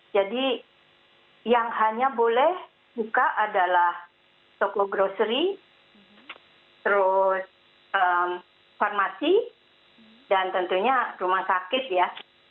jadi yang hanya boleh buka adalah toko grocery terus farmasi dan tentunya rumah sakit ya